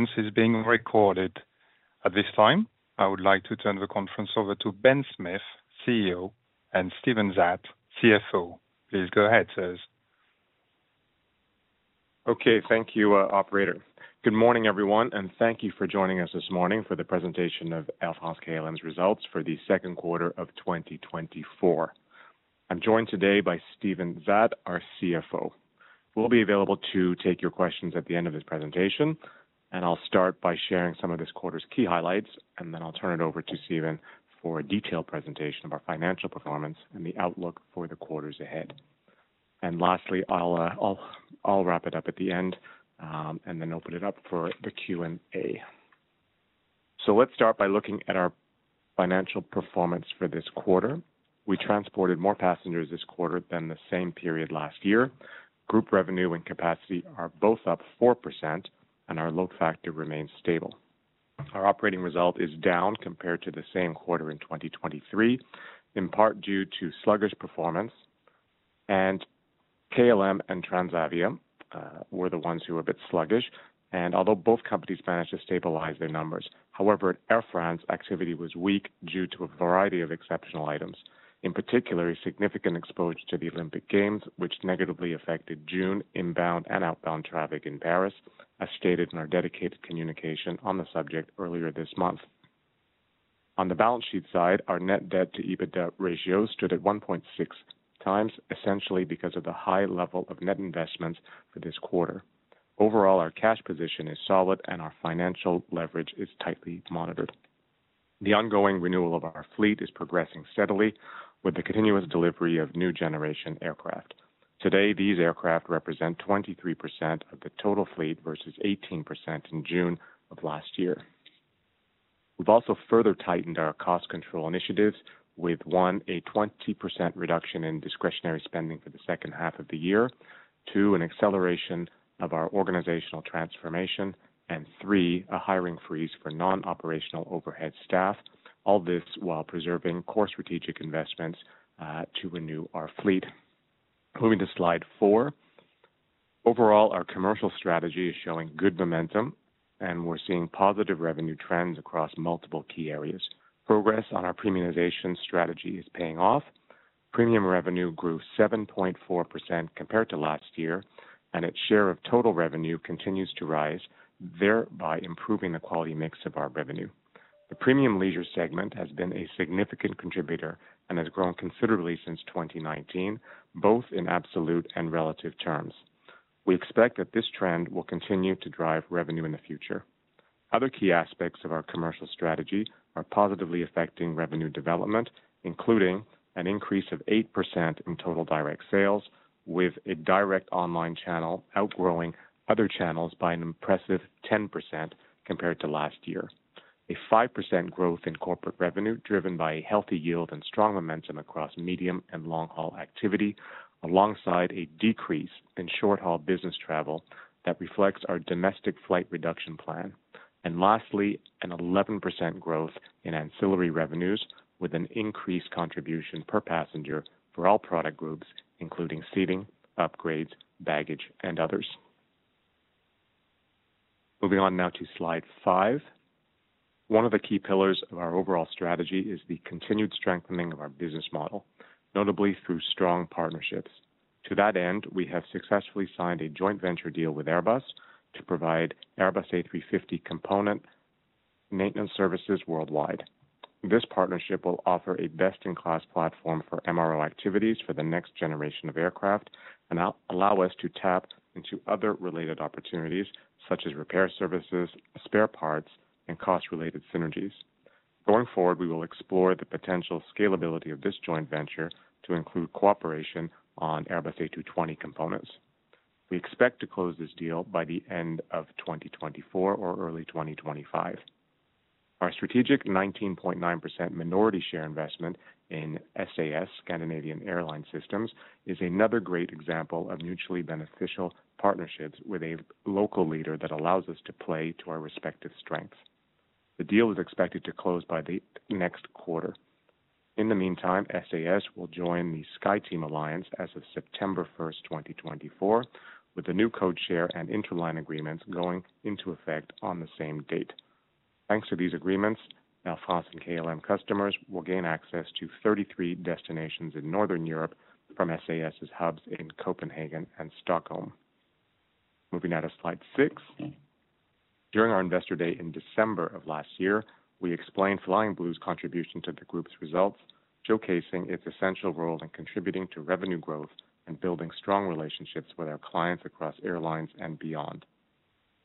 This is being recorded. At this time, I would like to turn the conference over to Ben Smith, CEO, and Steven Zaat, CFO. Please go ahead, sirs. Okay, thank you, Operator. Good morning, everyone, and thank you for joining us this morning for the presentation of Air France-KLM's results for the second quarter of 2024. I'm joined today by Steven Zaat, our CFO. We'll be available to take your questions at the end of this presentation, and I'll start by sharing some of this quarter's key highlights, and then I'll turn it over to Steven for a detailed presentation of our financial performance and the outlook for the quarters ahead. Lastly, I'll wrap it up at the end and then open it up for the Q&A. Let's start by looking at our financial performance for this quarter. We transported more passengers this quarter than the same period last year. Group revenue and capacity are both up 4%, and our load factor remains stable. Our operating result is down compared to the same quarter in 2023, in part due to sluggish performance. KLM and Transavia were the ones who were a bit sluggish, and although both companies managed to stabilize their numbers, however, Air France's activity was weak due to a variety of exceptional items. In particular, a significant exposure to the Olympic Games, which negatively affected June inbound and outbound traffic in Paris, as stated in our dedicated communication on the subject earlier this month. On the balance sheet side, our net debt-to-EBITDA ratio stood at 1.6x, essentially because of the high level of net investments for this quarter. Overall, our cash position is solid, and our financial leverage is tightly monitored. The ongoing renewal of our fleet is progressing steadily, with the continuous delivery of new generation aircraft. Today, these aircraft represent 23% of the total fleet versus 18% in June of last year. We've also further tightened our cost control initiatives, with one, a 20% reduction in discretionary spending for the second half of the year, two, an acceleration of our organizational transformation, and three, a hiring freeze for non-operational overhead staff, all this while preserving core strategic investments to renew our fleet. Moving to slide 4, overall, our commercial strategy is showing good momentum, and we're seeing positive revenue trends across multiple key areas. Progress on our premiumization strategy is paying off. Premium revenue grew 7.4% compared to last year, and its share of total revenue continues to rise, thereby improving the quality mix of our revenue. The premium leisure segment has been a significant contributor and has grown considerably since 2019, both in absolute and relative terms. We expect that this trend will continue to drive revenue in the future. Other key aspects of our commercial strategy are positively affecting revenue development, including an increase of 8% in total direct sales, with a direct online channel outgrowing other channels by an impressive 10% compared to last year. A 5% growth in corporate revenue driven by a healthy yield and strong momentum across medium and long-haul activity, alongside a decrease in short-haul business travel that reflects our domestic flight reduction plan. And lastly, an 11% growth in ancillary revenues, with an increased contribution per passenger for all product groups, including seating, upgrades, baggage, and others. Moving on now to slide five. One of the key pillars of our overall strategy is the continued strengthening of our business model, notably through strong partnerships. To that end, we have successfully signed a joint venture deal with Airbus to provide Airbus A350 component maintenance services worldwide. This partnership will offer a best-in-class platform for MRO activities for the next generation of aircraft and allow us to tap into other related opportunities such as repair services, spare parts, and cost-related synergies. Going forward, we will explore the potential scalability of this joint venture to include cooperation on Airbus A220 components. We expect to close this deal by the end of 2024 or early 2025. Our strategic 19.9% minority share investment in SAS, Scandinavian Airlines, is another great example of mutually beneficial partnerships with a local leader that allows us to play to our respective strengths. The deal is expected to close by the next quarter. In the meantime, SAS will join the SkyTeam alliance as of September 1st, 2024, with the new code share and interline agreements going into effect on the same date. Thanks to these agreements, Air France-KLM customers will gain access to 33 destinations in Northern Europe from SAS's hubs in Copenhagen and Stockholm. Moving on to slide six. During our investor day in December of last year, we explained Flying Blue's contribution to the group's results, showcasing its essential role in contributing to revenue growth and building strong relationships with our clients across airlines and beyond.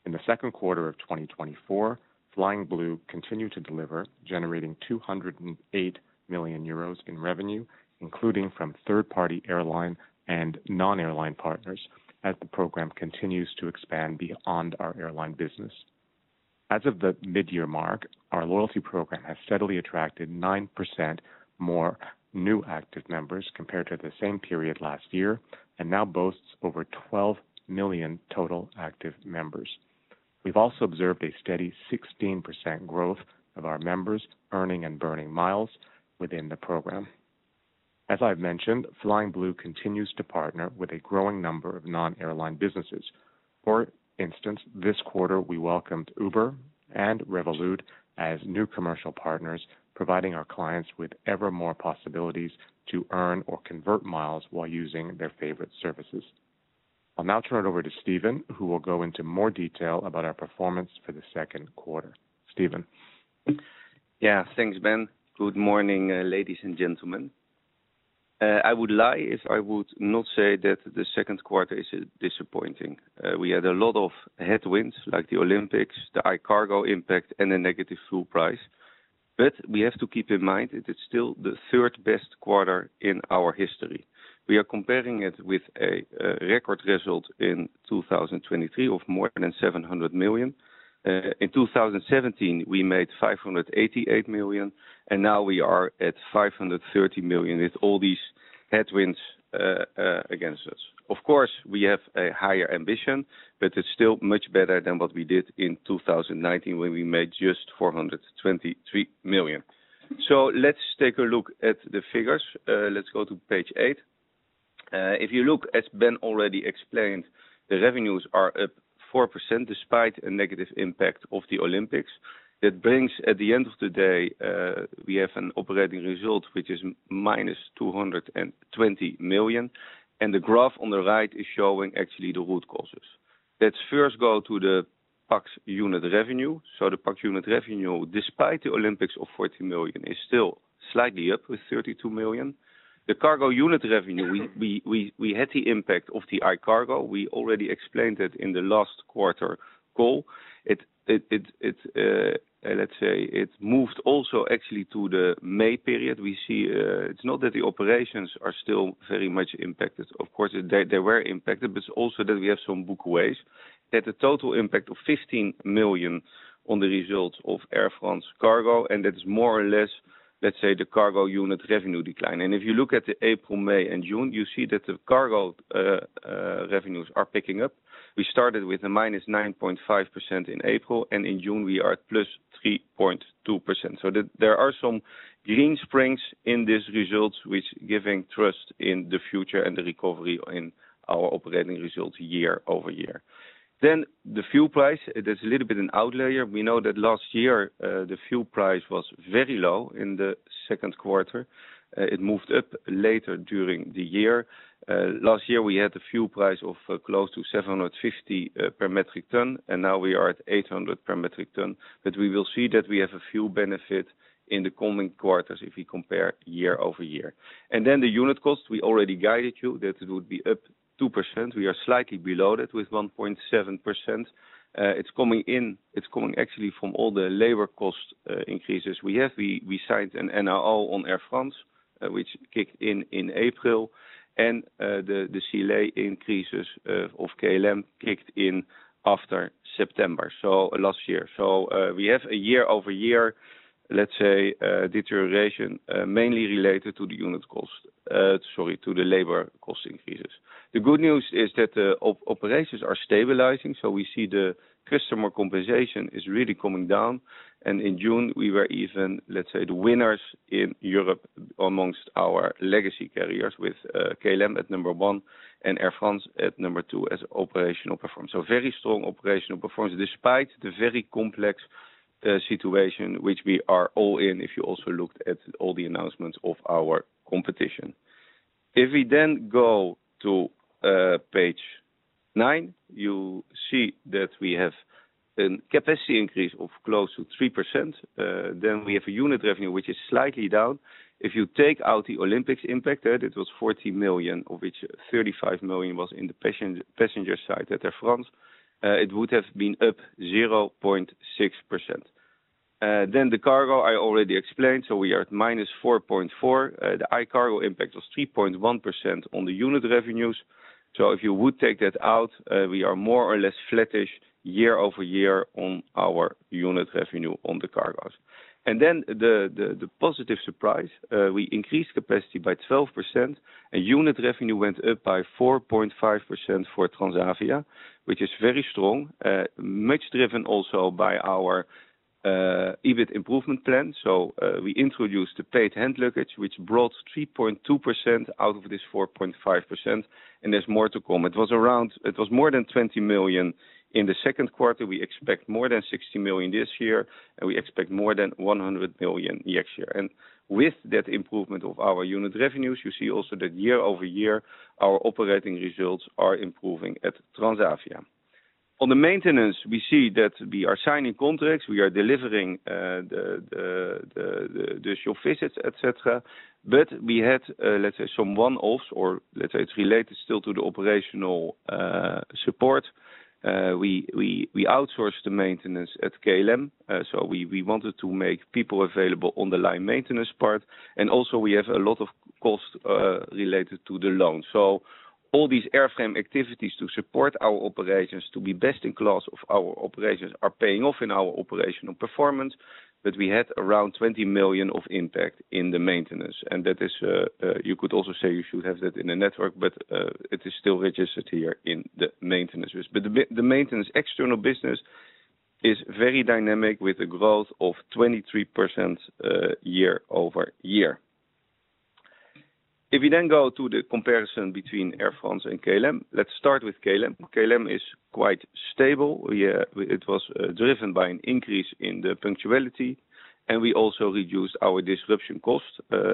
In the second quarter of 2024, Flying Blue continued to deliver, generating 208 million euros in revenue, including from third-party airline and non-airline partners, as the program continues to expand beyond our airline business. As of the mid-year mark, our loyalty program has steadily attracted 9% more new active members compared to the same period last year and now boasts over 12 million total active members. We've also observed a steady 16% growth of our members earning and burning miles within the program. As I've mentioned, Flying Blue continues to partner with a growing number of non-airline businesses. For instance, this quarter, we welcomed Uber and Revolut as new commercial partners, providing our clients with ever more possibilities to earn or convert miles while using their favorite services. I'll now turn it over to Steven, who will go into more detail about our performance for the second quarter. Steven. Yeah, thanks, Ben. Good morning, ladies and gentlemen. I would lie if I would not say that the second quarter is disappointing. We had a lot of headwinds like the Olympics, the high cargo impact, and a negative fuel price. But we have to keep in mind that it's still the third best quarter in our history. We are comparing it with a record result in 2023 of more than 700 million. In 2017, we made 588 million, and now we are at 530 million with all these headwinds against us. Of course, we have a higher ambition, but it's still much better than what we did in 2019 when we made just 423 million. So let's take a look at the figures. Let's go to page eight. If you look, as Ben already explained, the revenues are up 4% despite a negative impact of the Olympics. That brings, at the end of the day, we have an operating result which is minus 220 million, and the graph on the right is showing actually the root causes. Let's first go to the pax unit revenue. So the pax unit revenue, despite the Olympics of 40 million, is still slightly up with 32 million. The cargo unit revenue, we had the impact of the high cargo. We already explained it in the last quarter call. Let's say it moved also actually to the May period. We see it's not that the operations are still very much impacted. Of course, they were impacted, but also that we have some backlogs. At a total impact of 15 million on the result of Air France Cargo, and that's more or less, let's say, the cargo unit revenue decline. If you look at the April, May, and June, you see that the cargo revenues are picking up. We started with a -9.5% in April, and in June, we are at +3.2%. So there are some green springs in this result, which give us trust in the future and the recovery in our operating result year-over-year. The fuel price, that's a little bit an outlier. We know that last year, the fuel price was very low in the second quarter. It moved up later during the year. Last year, we had the fuel price of close to 750 per metric ton, and now we are at 800 per metric ton. We will see that we have a fuel benefit in the coming quarters if we compare year-over-year. Then the unit cost, we already guided you that it would be up 2%. We are slightly below that with 1.7%. It's coming in, it's coming actually from all the labor cost increases we have. We signed an NAO on Air France, which kicked in in April, and the CLA increases of KLM kicked in after September, so last year. So we have a year-over-year, let's say, deterioration mainly related to the unit cost, sorry, to the labor cost increases. The good news is that the operations are stabilizing, so we see the customer compensation is really coming down. In June, we were even, let's say, the winners in Europe amongst our legacy carriers with KLM at number one and Air France at number two as operational performance. So very strong operational performance despite the very complex situation which we are all in, if you also looked at all the announcements of our competition. If we then go to page nine, you see that we have a capacity increase of close to 3%. Then we have a unit revenue which is slightly down. If you take out the Olympics impact, that it was 40 million, of which 35 million was in the passenger side at Air France, it would have been up 0.6%. Then the cargo, I already explained, so we are at -4.4%. The high cargo impact was 3.1% on the unit revenues. So if you would take that out, we are more or less flattish year-over-year on our unit revenue on the cargoes. And then the positive surprise, we increased capacity by 12%, and unit revenue went up by 4.5% for Transavia, which is very strong, much driven also by our EBIT improvement plan. So we introduced the paid hand luggage, which brought 3.2% out of this 4.5%, and there's more to come. It was more than 20 million in the second quarter. We expect more than 60 million this year, and we expect more than 100 million next year. And with that improvement of our unit revenues, you see also that year-over-year, our operating results are improving at Transavia. On the maintenance, we see that we are signing contracts. We are delivering the shop visits, et cetera. But we had, let's say, some one-offs or, let's say, it's related still to the operational support. We outsourced the maintenance at KLM, so we wanted to make people available on the line maintenance part. Also, we have a lot of cost related to the line. All these airframe activities to support our operations, to be best in class of our operations, are paying off in our operational performance. We had around 20 million of impact in the maintenance. That is, you could also say you should have that in the network, but it is still registered here in the maintenance. The maintenance external business is very dynamic with a growth of 23% year-over-year. If we then go to the comparison between Air France and KLM, let's start with KLM. KLM is quite stable. It was driven by an increase in the punctuality, and we also reduced our disruption cost,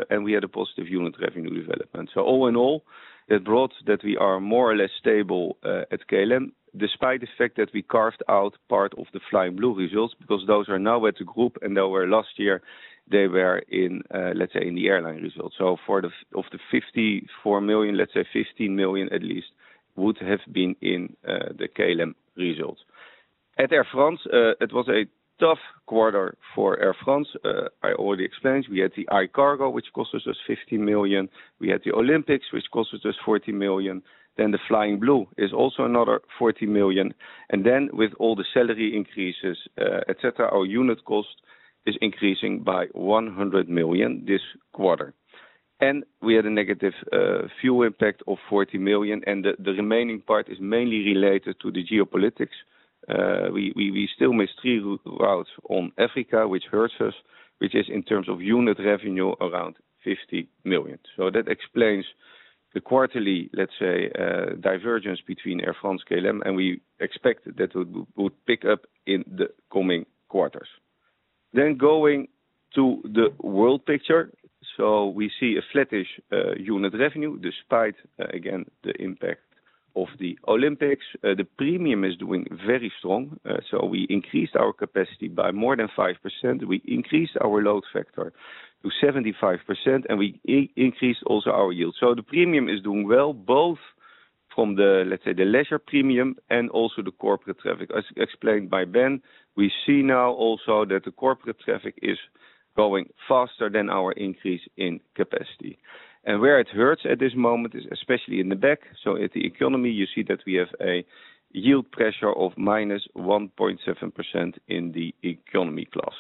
and we had a positive unit revenue development. So all in all, that brought that we are more or less stable at KLM despite the fact that we carved out part of the Flying Blue results because those are now at the group, and they were last year, they were in, let's say, in the airline results. So for the of the 54 million, let's say 15 million at least would have been in the KLM results. At Air France, it was a tough quarter for Air France. I already explained. We had the high cargo, which cost us just 15 million. We had the Olympics, which cost us just 40 million. Then the Flying Blue is also another 40 million. And then with all the salary increases, et cetera, our unit cost is increasing by 100 million this quarter. And we had a negative fuel impact of 40 million, and the remaining part is mainly related to the geopolitics. We still missed three routes on Africa, which hurts us, which is in terms of unit revenue around 50 million. So that explains the quarterly, let's say, divergence between Air France-KLM, and we expect that would pick up in the coming quarters. Then going to the world picture, so we see a flattish unit revenue despite, again, the impact of the Olympics. The premium is doing very strong. So we increased our capacity by more than 5%. We increased our load factor to 75%, and we increased also our yield. So the premium is doing well, both from the, let's say, the leisure premium and also the corporate traffic. As explained by Ben, we see now also that the corporate traffic is going faster than our increase in capacity. And where it hurts at this moment is especially in the back. So at the economy, you see that we have a yield pressure of -1.7% in the economy class.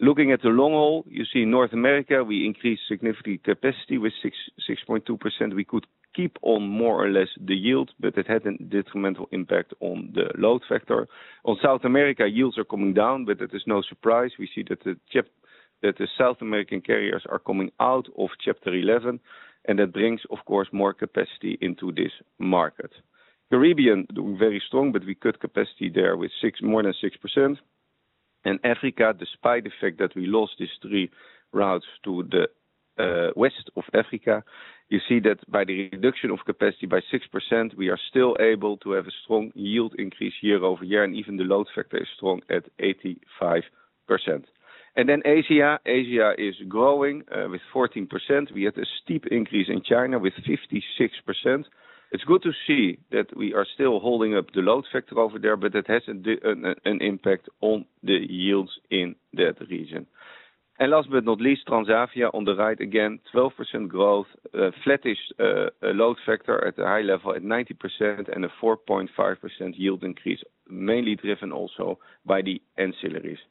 Looking at the long haul, you see North America, we increased significantly capacity with 6.2%. We could keep on more or less the yield, but it had a detrimental impact on the load factor. On South America, yields are coming down, but that is no surprise. We see that the South American carriers are coming out of Chapter 11, and that brings, of course, more capacity into this market. Caribbean doing very strong, but we cut capacity there with more than 6%. Africa, despite the fact that we lost these three routes to the west of Africa, you see that by the reduction of capacity by 6%, we are still able to have a strong yield increase year-over-year, and even the load factor is strong at 85%. And then Asia. Asia is growing with 14%. We had a steep increase in China with 56%. It's good to see that we are still holding up the load factor over there, but that has an impact on the yields in that region. And last but not least, Transavia on the right again, 12% growth, flattish load factor at a high level at 90% and a 4.5% yield increase, mainly driven also by the ancillaries.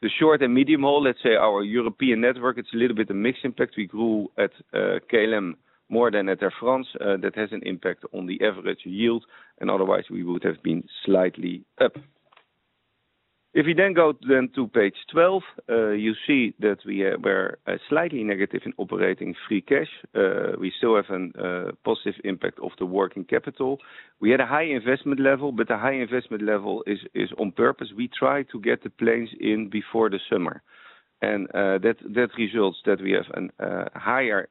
The short and medium haul, let's say our European network, it's a little bit a mixed impact. We grew at KLM more than at Air France. That has an impact on the average yield, and otherwise we would have been slightly up. If we then go to page 12, you see that we were slightly negative in operating free cash. We still have a positive impact of the working capital. We had a high investment level, but the high investment level is on purpose. We tried to get the planes in before the summer, and that results that we have higher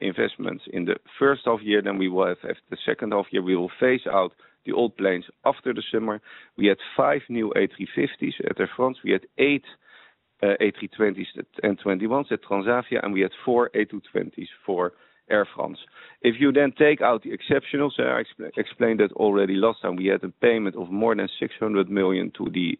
investments in the first half year than we will have after the second half year. We will phase out the old planes after the summer. We had five new A350s at Air France. We had eight A320s and A321s at Transavia, and we had four A220s for Air France. If you then take out the exceptionals, I explained that already last time, we had a payment of more than 600 million to the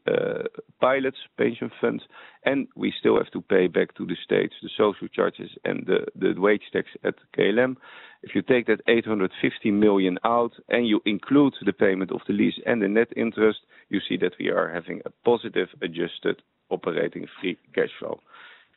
pilots' pension funds, and we still have to pay back to the states the social charges and the wage tax at KLM. If you take that 850 million out and you include the payment of the lease and the net interest, you see that we are having a positive adjusted operating free cash flow.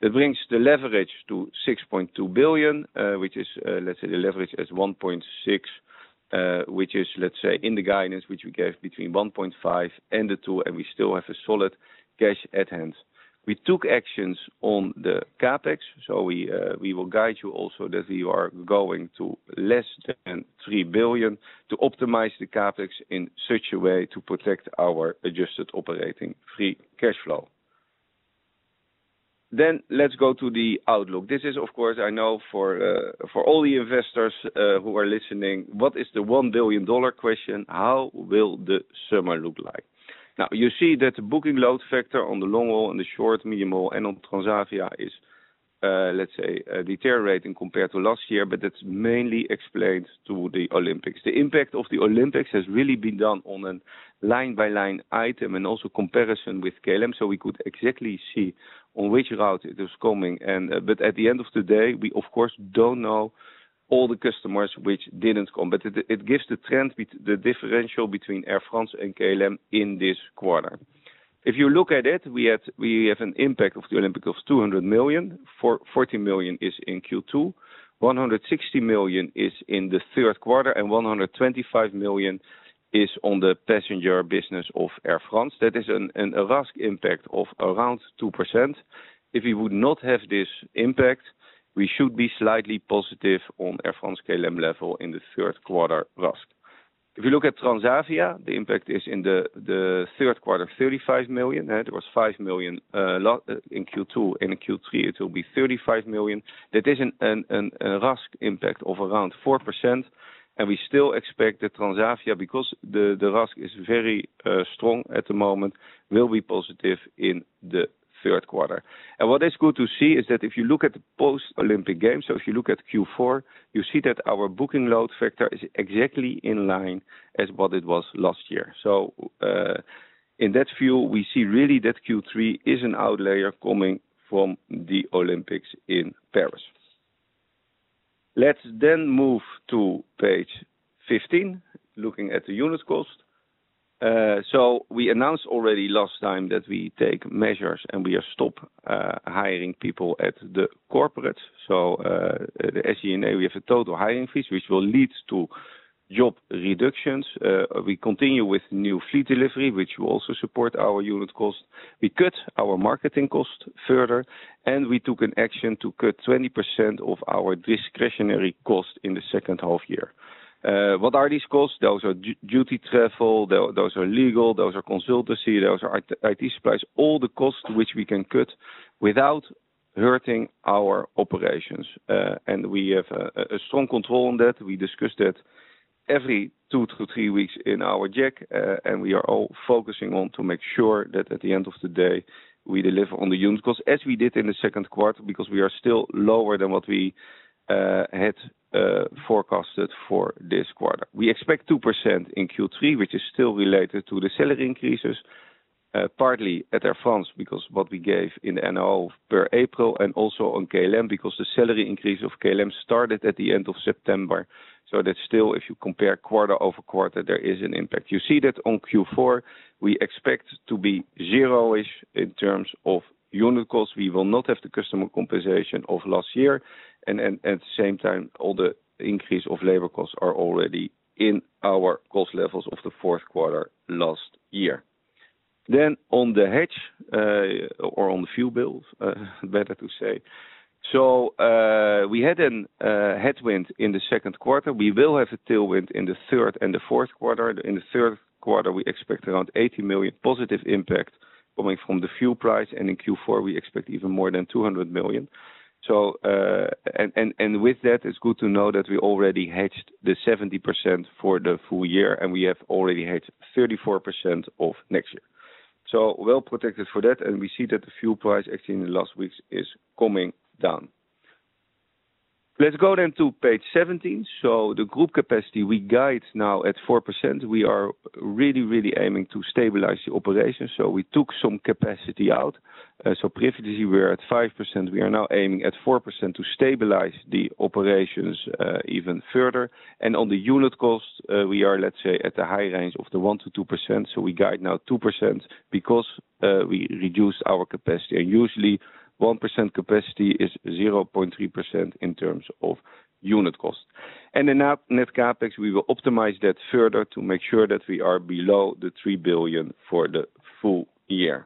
That brings the leverage to 6.2 billion, which is, let's say, the leverage at 1.6, which is, let's say, in the guidance which we gave between 1.5 and the two, and we still have a solid cash at hand. We took actions on the CapEx, so we will guide you also that we are going to less than 3 billion to optimize the CapEx in such a way to protect our adjusted operating free cash flow. Then let's go to the outlook. This is, of course, I know for all the investors who are listening, what is the $1 billion question? How will the summer look like? Now, you see that the booking load factor on the long haul and the short, medium haul, and on Transavia is, let's say, the tariff rate compared to last year, but that's mainly explained to the Olympics. The impact of the Olympics has really been done on a line-by-line item and also comparison with KLM, so we could exactly see on which route it is coming. At the end of the day, we, of course, don't know all the customers which didn't come, but it gives the trend, the differential between Air France and KLM in this quarter. If you look at it, we have an impact of the Olympics of 200 million. 40 million is in Q2, 160 million is in the third quarter, and 125 million is on the passenger business of Air France. That is a RASK impact of around 2%. If we would not have this impact, we should be slightly positive on Air France-KLM level in the third quarter RASK. If you look at Transavia, the impact is in the third quarter, 35 million. There was 5 million in Q2. In Q3, it will be 35 million. That is a RASK impact of around 4%, and we still expect that Transavia, because the RASK is very strong at the moment, will be positive in the third quarter. What is good to see is that if you look at the post-Olympic Games, so if you look at Q4, you see that our booking load factor is exactly in line as what it was last year. In that view, we see really that Q3 is an outlier coming from the Olympics in Paris. Let's then move to page 15, looking at the unit cost. We announced already last time that we take measures and we are stopped hiring people at the corporate. So the SG&A, we have a total hiring freeze, which will lead to job reductions. We continue with new fleet delivery, which will also support our unit cost. We cut our marketing cost further, and we took an action to cut 20% of our discretionary cost in the second half year. What are these costs? Those are duty travel, those are legal, those are consultancy, those are IT supplies, all the costs which we can cut without hurting our operations. We have a strong control on that. We discuss that every two to three weeks in our GEC, and we are all focusing on to make sure that at the end of the day, we deliver on the unit cost as we did in the second quarter because we are still lower than what we had forecasted for this quarter. We expect 2% in Q3, which is still related to the salary increases, partly at Air France because of what we gave in the NAO in April and also on KLM because the salary increase of KLM started at the end of September. So that still, if you compare quarter-over-quarter, there is an impact. You see that on Q4, we expect to be zero-ish in terms of unit cost. We will not have the customer compensation of last year. And at the same time, all the increase of labor costs are already in our cost levels of the fourth quarter last year. Then on the hedge or on the fuel bill, better to say, so we had a headwind in the second quarter. We will have a tailwind in the third and the fourth quarter. In the third quarter, we expect around 80 million positive impact coming from the fuel price. In Q4, we expect even more than 200 million. With that, it's good to know that we already hedged the 70% for the full year, and we have already hedged 34% of next year. So well protected for that. We see that the fuel price actually in the last weeks is coming down. Let's go then to page 17. The group capacity, we guide now at 4%. We are really, really aiming to stabilize the operations. We took some capacity out. Previously, we were at 5%. We are now aiming at 4% to stabilize the operations even further. On the unit cost, we are, let's say, at the high range of the 1%-2%. We guide now 2% because we reduced our capacity. Usually, 1% capacity is 0.3% in terms of unit cost. And then now, net CapEx, we will optimize that further to make sure that we are below 3 billion for the full year.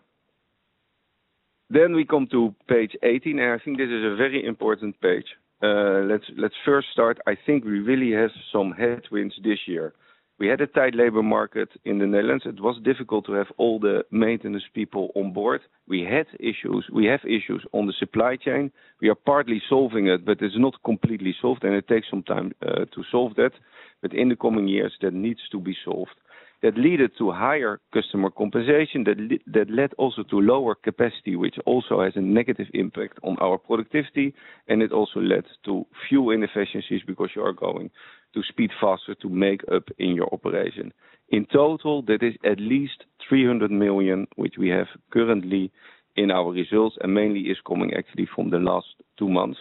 Then we come to page 18. I think this is a very important page. Let's first start. I think we really have some headwinds this year. We had a tight labor market in the Netherlands. It was difficult to have all the maintenance people on board. We had issues. We have issues on the supply chain. We are partly solving it, but it's not completely solved, and it takes some time to solve that. But in the coming years, that needs to be solved. That led to higher customer compensation. That led also to lower capacity, which also has a negative impact on our productivity. And it also led to few inefficiencies because you are going to speed faster to make up in your operation. In total, that is at least 300 million, which we have currently in our results and mainly is coming actually from the last two months.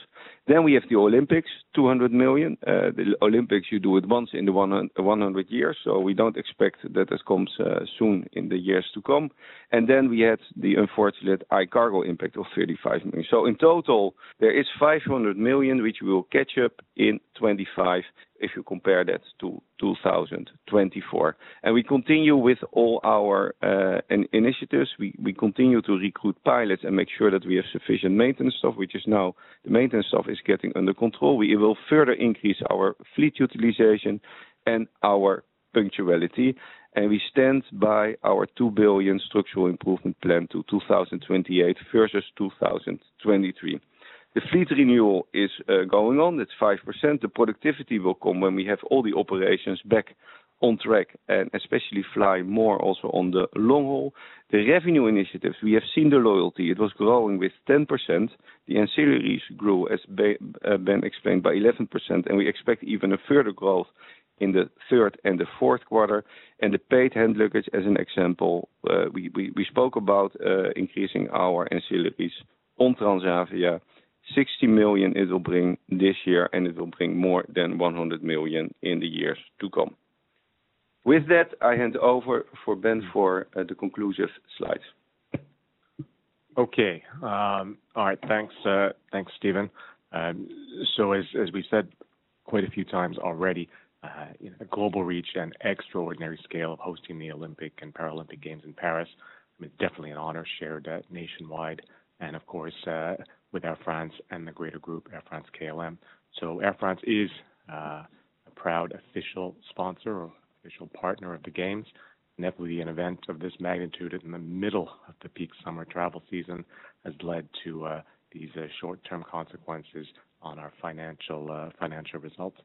Then we have the Olympics, 200 million. The Olympics, you do it once in the 100 years. So we don't expect that that comes soon in the years to come. And then we had the unfortunate high cargo impact of 35 million. So in total, there is 500 million, which we will catch up in 2025 if you compare that to 2024. And we continue with all our initiatives. We continue to recruit pilots and make sure that we have sufficient maintenance staff, which is now the maintenance staff is getting under control. We will further increase our fleet utilization and our punctuality. And we stand by our 2 billion structural improvement plan to 2028 versus 2023. The fleet renewal is going on. It's 5%. The productivity will come when we have all the operations back on track and especially fly more also on the long haul. The revenue initiatives, we have seen the loyalty. It was growing with 10%. The ancillaries grew, as Ben explained, by 11%. And we expect even a further growth in the third and the fourth quarter. And the paid hand luggage, as an example, we spoke about increasing our ancillaries on Transavia. 60 million it will bring this year, and it will bring more than 100 million in the years to come. With that, I hand over for Ben for the conclusive slides. Okay. All right. Thanks. Thanks, Steven. So as we've said quite a few times already, a global reach and extraordinary scale of hosting the Olympic and Paralympic Games in Paris, it's definitely an honor shared nationwide and, of course, with Air France and the greater group, Air France-KLM. So Air France is a proud official sponsor or official partner of the Games. And that will be an event of this magnitude in the middle of the peak summer travel season has led to these short-term consequences on our financial results.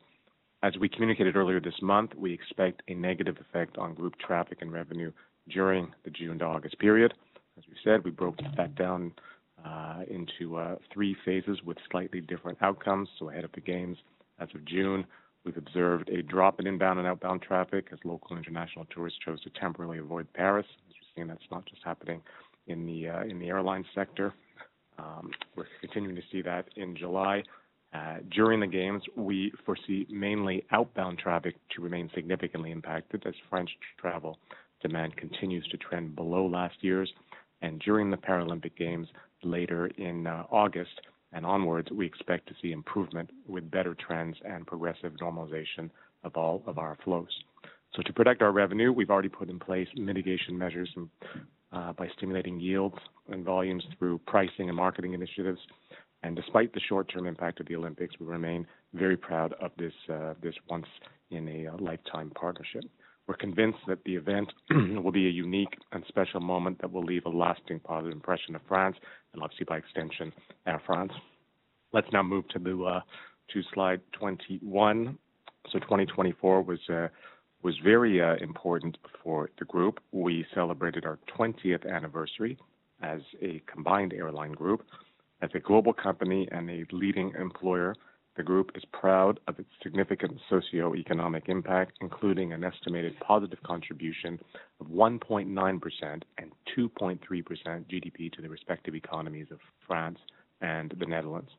As we communicated earlier this month, we expect a negative effect on group traffic and revenue during the June to August period. As we said, we broke that down into three phases with slightly different outcomes. So ahead of the Games as of June, we've observed a drop in inbound and outbound traffic as local and international tourists chose to temporarily avoid Paris. As you've seen, that's not just happening in the airline sector. We're continuing to see that in July. During the Games, we foresee mainly outbound traffic to remain significantly impacted as French travel demand continues to trend below last year's. And during the Paralympic Games later in August and onwards, we expect to see improvement with better trends and progressive normalization of all of our flows. So to protect our revenue, we've already put in place mitigation measures by stimulating yields and volumes through pricing and marketing initiatives. And despite the short-term impact of the Olympics, we remain very proud of this once-in-a-lifetime partnership. We're convinced that the event will be a unique and special moment that will leave a lasting positive impression of France and obviously, by extension, Air France. Let's now move to slide 21. 2024 was very important for the group. We celebrated our 20th anniversary as a combined airline group. As a global company and a leading employer, the group is proud of its significant socioeconomic impact, including an estimated positive contribution of 1.9% and 2.3% GDP to the respective economies of France and the Netherlands.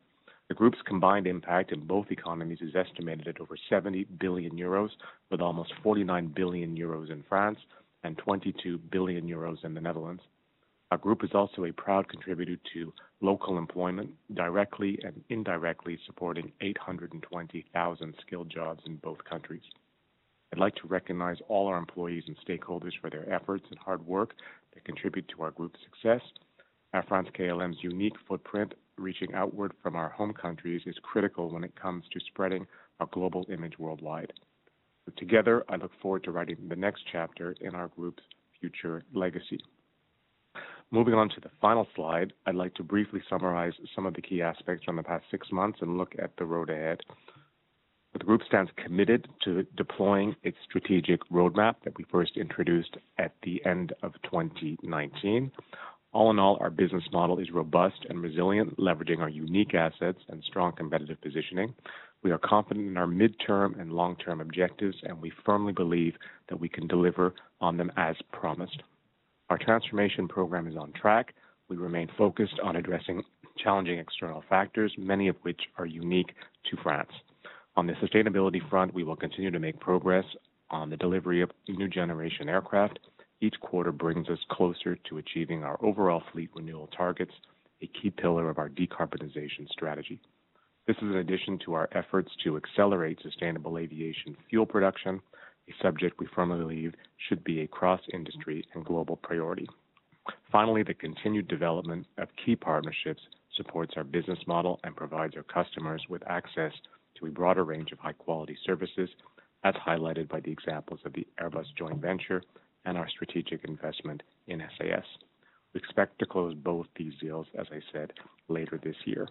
The group's combined impact in both economies is estimated at over 70 billion euros, with almost 49 billion euros in France and 22 billion euros in the Netherlands. Our group is also a proud contributor to local employment, directly and indirectly supporting 820,000 skilled jobs in both countries. I'd like to recognize all our employees and stakeholders for their efforts and hard work that contribute to our group's success. Air France-KLM's unique footprint, reaching outward from our home countries, is critical when it comes to spreading our global image worldwide. Together, I look forward to writing the next chapter in our group's future legacy. Moving on to the final slide, I'd like to briefly summarize some of the key aspects from the past six months and look at the road ahead. The group stands committed to deploying its strategic roadmap that we first introduced at the end of 2019. All in all, our business model is robust and resilient, leveraging our unique assets and strong competitive positioning. We are confident in our midterm and long-term objectives, and we firmly believe that we can deliver on them as promised. Our transformation program is on track. We remain focused on addressing challenging external factors, many of which are unique to France. On the sustainability front, we will continue to make progress on the delivery of new generation aircraft. Each quarter brings us closer to achieving our overall fleet renewal targets, a key pillar of our decarbonization strategy. This is in addition to our efforts to accelerate sustainable aviation fuel production, a subject we firmly believe should be a cross-industry and global priority. Finally, the continued development of key partnerships supports our business model and provides our customers with access to a broader range of high-quality services, as highlighted by the examples of the Airbus joint venture and our strategic investment in SAS. We expect to close both these deals, as I said, later this year.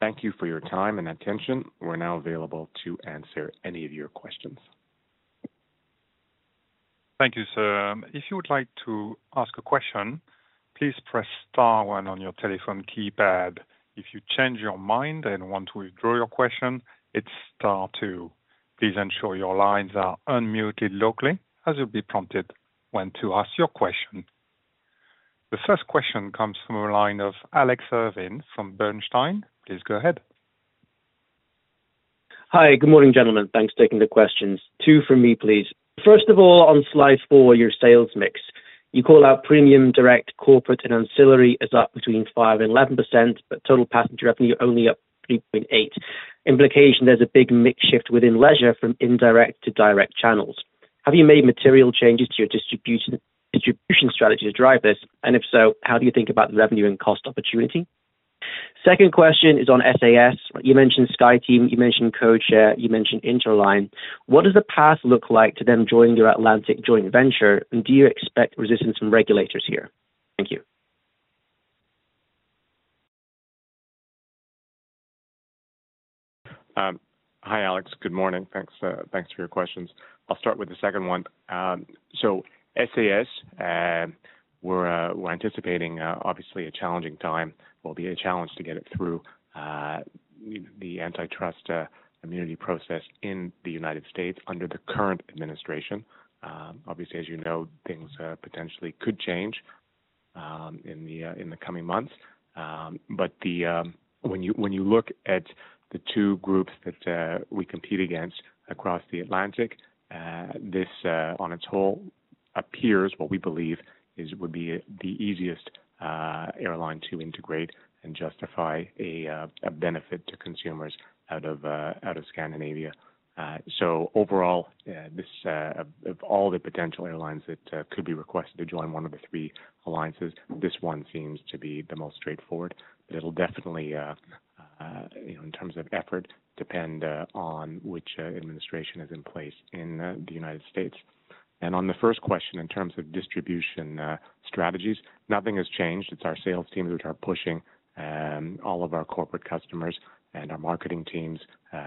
Thank you for your time and attention. We're now available to answer any of your questions. Thank you, sir. If you would like to ask a question, please press star one on your telephone keypad. If you change your mind and want to withdraw your question, it's star two. Please ensure your lines are unmuted locally as you'll be prompted when to ask your question. The first question comes from a line of Alex Irving from Bernstein. Please go ahead. Hi. Good morning, gentlemen. Thanks for taking the questions. Two from me, please. First of all, on slide four, your sales mix. You call out premium, direct, corporate, and ancillary is up between 5%-11%, but total passenger revenue only up 3.8%. Implication, there's a big mix shift within leisure from indirect to direct channels. Have you made material changes to your distribution strategy to drive this? And if so, how do you think about the revenue and cost opportunity? Second question is on SAS. You mentioned SkyTeam. You mentioned codeshare. You mentioned interline. What does the path look like to them joining your Atlantic joint venture? And do you expect resistance from regulators here? Thank you. Hi, Alex. Good morning. Thanks for your questions. I'll start with the second one. So SAS, we're anticipating, obviously, a challenging time. It will be a challenge to get it through the antitrust immunity process in the United States under the current administration. Obviously, as you know, things potentially could change in the coming months. But when you look at the two groups that we compete against across the Atlantic, this on its whole appears what we believe would be the easiest airline to integrate and justify a benefit to consumers out of Scandinavia. So overall, of all the potential airlines that could be requested to join one of the three alliances, this one seems to be the most straightforward. But it'll definitely, in terms of effort, depend on which administration is in place in the United States. And on the first question, in terms of distribution strategies, nothing has changed. It's our sales teams which are pushing all of our corporate customers and our marketing teams,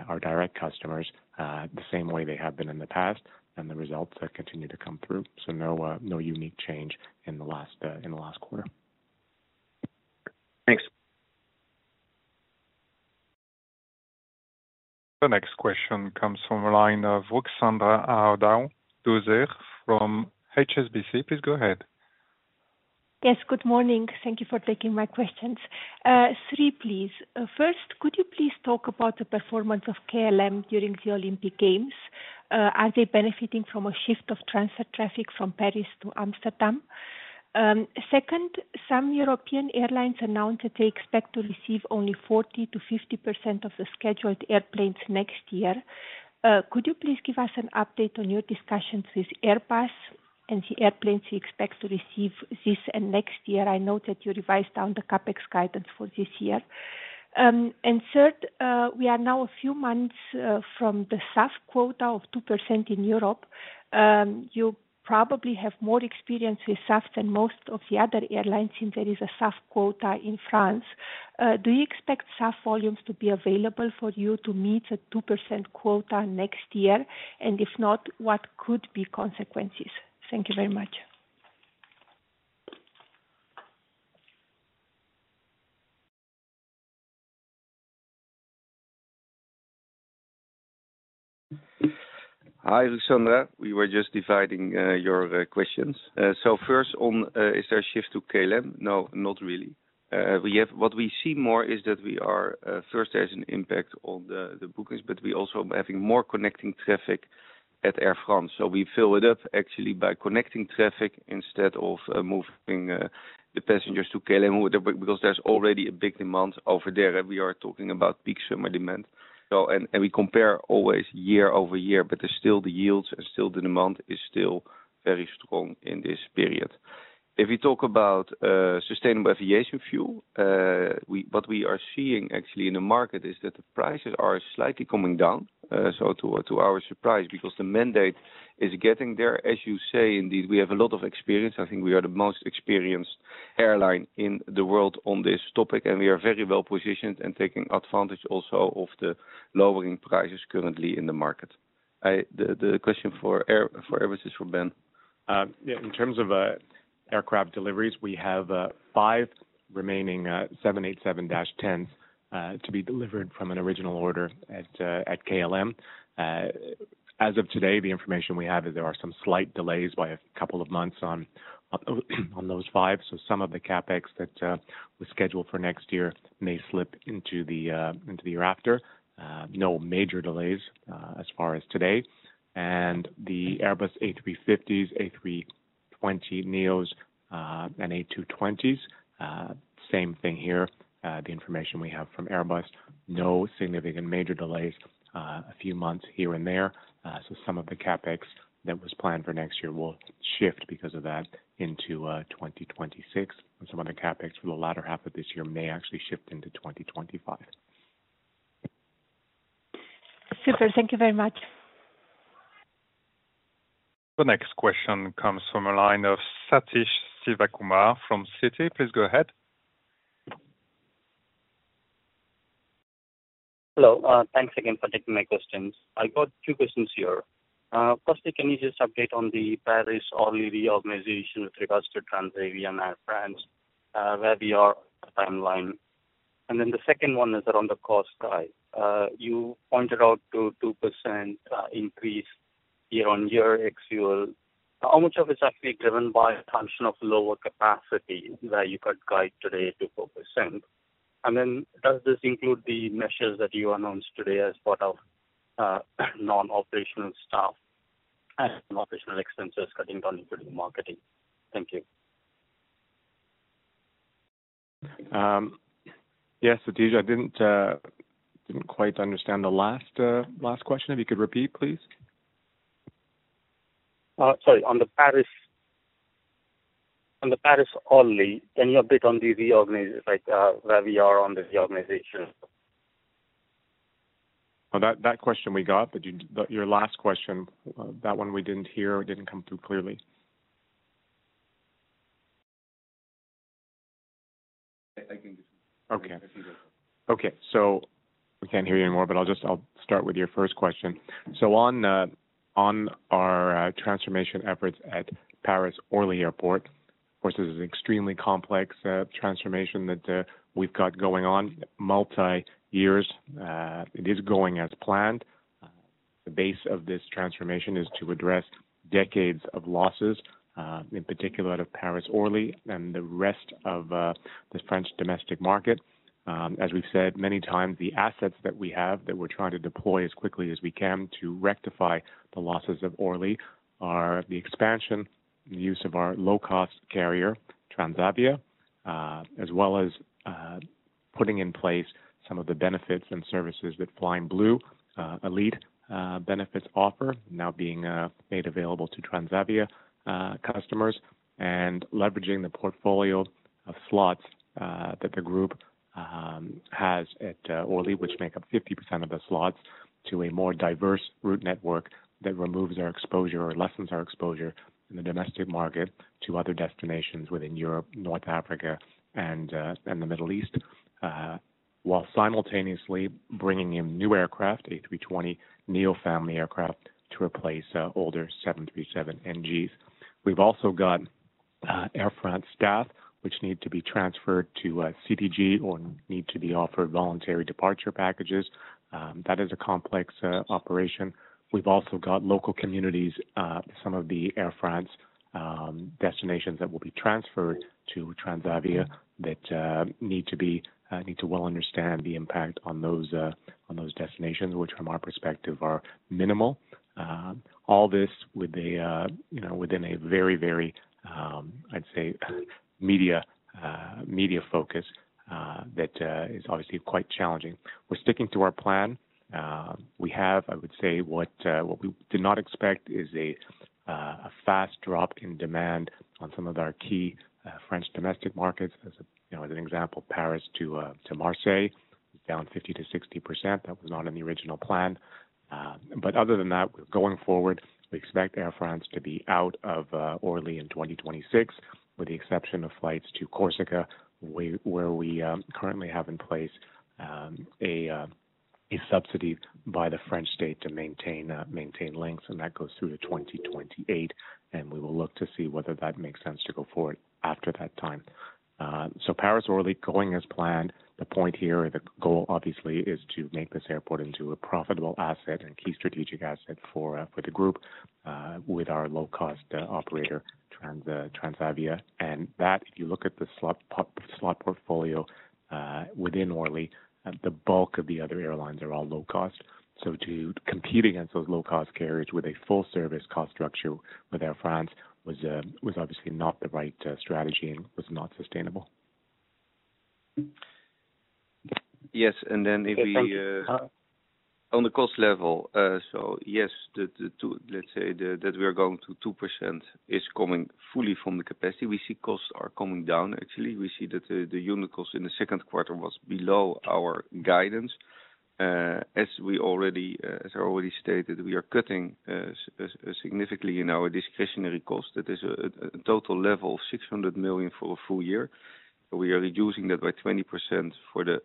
our direct customers, the same way they have been in the past. And the results continue to come through. So no unique change in the last quarter. Thanks. The next question comes from a line of Ruxandra Haradau-Döser from HSBC. Please go ahead. Yes, good morning. Thank you for taking my questions. Three, please. First, could you please talk about the performance of KLM during the Olympic Games? Are they benefiting from a shift of transfer traffic from Paris to Amsterdam? Second, some European airlines announced that they expect to receive only 40%-50% of the scheduled airplanes next year. Could you please give us an update on your discussions with Airbus and the airplanes you expect to receive this and next year? I know that you revised down the CapEx guidance for this year. And third, we are now a few months from the SAF quota of 2% in Europe. You probably have more experience with SAF than most of the other airlines since there is a SAF quota in France. Do you expect SAF volumes to be available for you to meet the 2% quota next year? And if not, what could be consequences? Thank you very much. Hi, Alexandra. We were just dividing your questions. So first, is there a shift to KLM? No, not really. What we see more is that we are first, there's an impact on the bookings, but we also are having more connecting traffic at Air France. So we fill it up actually by connecting traffic instead of moving the passengers to KLM because there's already a big demand over there. We are talking about peak summer demand. We compare always year-over-year, but still the yields and still the demand is still very strong in this period. If you talk about Sustainable Aviation Fuel, what we are seeing actually in the market is that the prices are slightly coming down, so to our surprise, because the mandate is getting there. As you say, indeed, we have a lot of experience. I think we are the most experienced airline in the world on this topic, and we are very well positioned and taking advantage also of the lowering prices currently in the market. The question for Airbus is for Ben. Yeah, in terms of aircraft deliveries, we have five remaining 787-10s to be delivered from an original order at KLM. As of today, the information we have is there are some slight delays by a couple of months on those five. So some of the CapEx that was scheduled for next year may slip into the year after. No major delays as far as today. And the Airbus A350s, A320neos, and A220s, same thing here. The information we have from Airbus, no significant major delays, a few months here and there. So some of the CapEx that was planned for next year will shift because of that into 2026. And some of the CapEx for the latter half of this year may actually shift into 2025. Super. Thank you very much. The next question comes from a line of Satish Sivakumar from Citi. Please go ahead. Hello. Thanks again for taking my questions. I've got two questions here. Firstly, can you just update on the Paris-Orly reorganization with regards to Transavia and Air France, where we are? Timeline. And then the second one is around the cost guide. You pointed out to a 2% increase year-on-year exfuel. How much of it is actually driven by a function of lower capacity that you could guide today to 4%? And then does this include the measures that you announced today as part of non-operational staff and operational expenses cutting down including marketing? Thank you. Yes, Satish, I didn't quite understand the last question. If you could repeat, please. Sorry. On the Paris-Orly, can you update on the reorganization, where we are on the reorganization? That question we got, but your last question, that one we didn't hear or didn't come through clearly. Okay. Okay. So we can't hear you anymore, but I'll start with your first question. So on our transformation efforts at Paris-Orly Airport, of course, this is an extremely complex transformation that we've got going on, multi-years. It is going as planned. The base of this transformation is to address decades of losses, in particular of Paris-Orly and the rest of the French domestic market. As we've said many times, the assets that we have that we're trying to deploy as quickly as we can to rectify the losses of Orly are the expansion, the use of our low-cost carrier, Transavia, as well as putting in place some of the benefits and services that Flying Blue Elite benefits offer, now being made available to Transavia customers, and leveraging the portfolio of slots that the group has at Orly, which make up 50% of the slots, to a more diverse route network that removes our exposure or lessens our exposure in the domestic market to other destinations within Europe, North Africa, and the Middle East, while simultaneously bringing in new aircraft, A320neo family aircraft, to replace older 737NGs. We've also got Air France staff which need to be transferred to CDG or need to be offered voluntary departure packages. That is a complex operation. We've also got local communities, some of the Air France destinations that will be transferred to Transavia that need to well understand the impact on those destinations, which from our perspective are minimal. All this within a very, very, I'd say, media focus that is obviously quite challenging. We're sticking to our plan. We have, I would say, what we did not expect is a fast drop in demand on some of our key French domestic markets. As an example, Paris to Marseille is down 50%-60%. That was not in the original plan. But other than that, going forward, we expect Air France to be out of Orly in 2026, with the exception of flights to Corsica, where we currently have in place a subsidy by the French state to maintain links. And that goes through to 2028. We will look to see whether that makes sense to go forward after that time. Paris-Orly, going as planned. The point here, the goal obviously, is to make this airport into a profitable asset and key strategic asset for the group with our low-cost operator, Transavia. That, if you look at the slot portfolio within Orly, the bulk of the other airlines are all low-cost. To compete against those low-cost carriers with a full-service cost structure with Air France was obviously not the right strategy and was not sustainable. Yes. Then if we on the cost level, so yes, let's say that we're going to 2% is coming fully from the capacity. We see costs are coming down, actually. We see that the unit cost in the second quarter was below our guidance. As we already stated, we are cutting significantly in our discretionary cost. That is a total level of 600 million for a full year. We are reducing that by 20% for the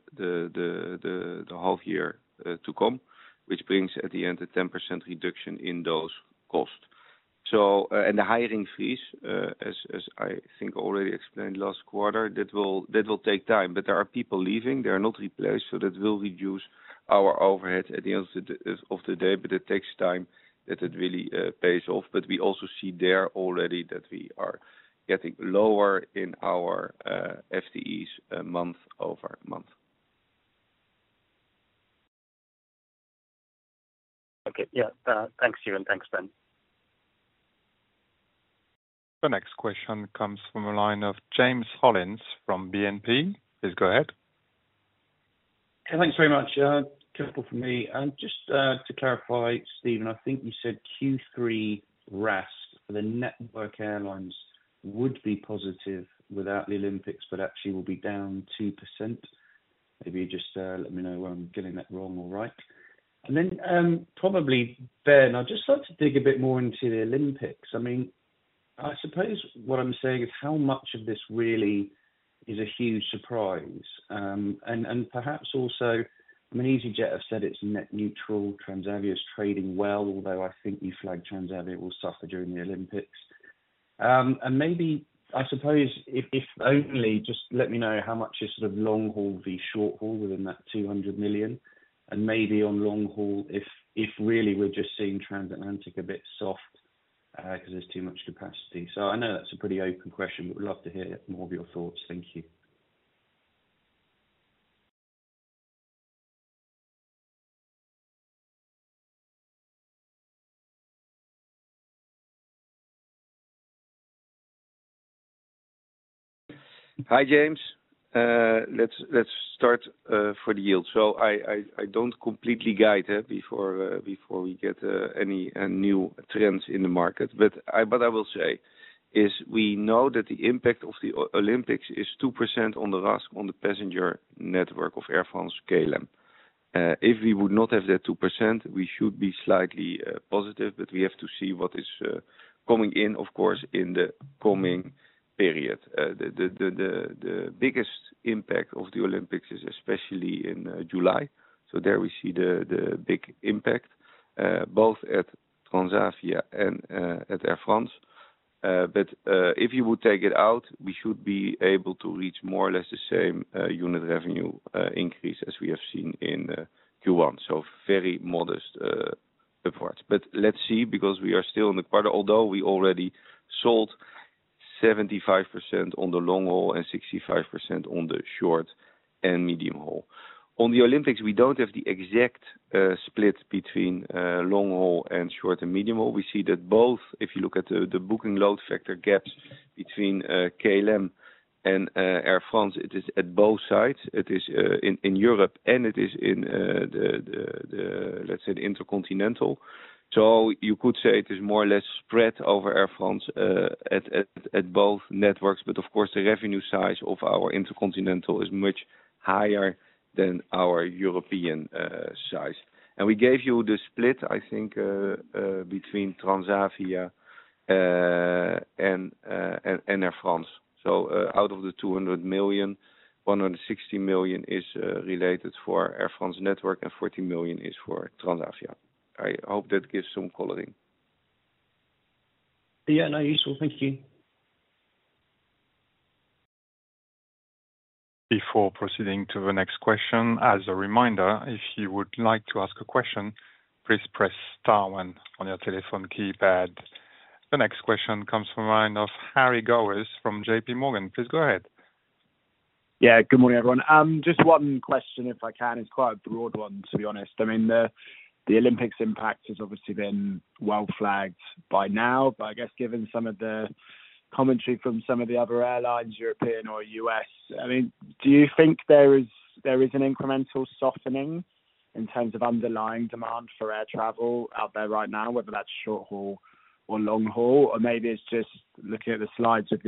half year to come, which brings at the end a 10% reduction in those costs. And the hiring fees, as I think already explained last quarter, that will take time. But there are people leaving. They are not replaced. So that will reduce our overhead at the end of the day. But it takes time that it really pays off. But we also see there already that we are getting lower in our FTEs month-over-month. Okay. Yeah. Thanks, Stephen. Thanks, Ben. The next question comes from a line of James Hollins from BNP. Please go ahead. Thanks very much. Careful for me. Just to clarify, Steven, I think you said Q3 RAS for the network airlines would be positive without the Olympics, but actually will be down 2%. Maybe you just let me know where I'm getting that wrong or right. And then probably, Ben, I'd just like to dig a bit more into the Olympics. I mean, I suppose what I'm saying is how much of this really is a huge surprise. And perhaps also, I mean, easyJet have said it's net neutral. Transavia is trading well, although I think you flagged Transavia will suffer during the Olympics. And maybe, I suppose, if only, just let me know how much is sort of long-haul vs. short-haul within that 200 million. And maybe on long-haul, if really we're just seeing transatlantic a bit soft because there's too much capacity. So I know that's a pretty open question, but we'd love to hear more of your thoughts. Thank you. Hi, James. Let's start for the yield. So I don't completely guide before we get any new trends in the market. But what I will say is we know that the impact of the Olympics is 2% on the RAS, on the passenger network of Air France, KLM. If we would not have that 2%, we should be slightly positive, but we have to see what is coming in, of course, in the coming period. The biggest impact of the Olympics is especially in July. So there we see the big impact, both at Transavia and at Air France. But if you would take it out, we should be able to reach more or less the same unit revenue increase as we have seen in Q1. So very modest upwards. But let's see because we are still in the quarter, although we already sold 75% on the long-haul and 65% on the short and medium-haul. On the Olympics, we don't have the exact split between long-haul and short and medium-haul. We see that both, if you look at the booking load factor gaps between KLM and Air France, it is at both sides. It is in Europe, and it is in, let's say, the intercontinental. So you could say it is more or less spread over Air France at both networks. But of course, the revenue size of our intercontinental is much higher than our European size. And we gave you the split, I think, between Transavia and Air France. So out of the 200 million, 160 million is related for Air France network, and 40 million is for Transavia. I hope that gives some coloring. Yeah. No. So thank you. Before proceeding to the next question, as a reminder, if you would like to ask a question, please press star one on your telephone keypad. The next question comes from a line of Harry Gowers from JPMorgan. Please go ahead. Yeah. Good morning, everyone. Just one question, if I can. It's quite a broad one, to be honest. I mean, the Olympics impact has obviously been well flagged by now, but I guess given some of the commentary from some of the other airlines, European or U.S., I mean, do you think there is an incremental softening in terms of underlying demand for air travel out there right now, whether that's short-haul or long-haul, or maybe it's just looking at the slides with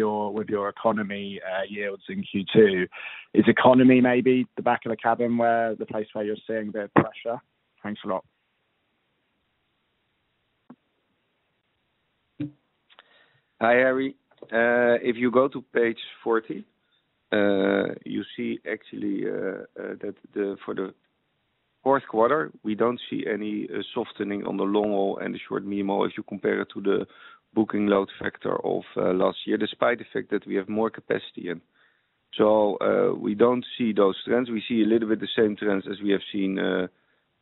your economy yields in Q2? Is economy maybe the back of the cabin where the place where you're seeing the pressure? Thanks a lot. Hi, Harry. If you go to page 40, you see actually that for the fourth quarter, we don't see any softening on the long-haul and the short-haul if you compare it to the booking load factor of last year, despite the fact that we have more capacity in. We don't see those trends. We see a little bit the same trends as we have seen,